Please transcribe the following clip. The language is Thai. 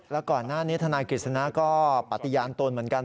แล้วก่อนหน้านี้ธนายกฤษณะก็ปฏิญาณตนเหมือนกัน